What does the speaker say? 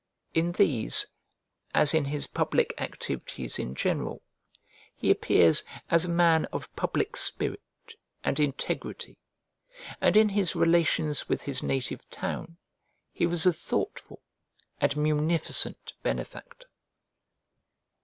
In these, as in his public activities in general, he appears as a man of public spirit and integrity; and in his relations with his native town he was a thoughtful and munificent benefactor.